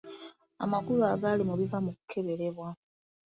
Amakulu agali mu biva mu kukeberebwa.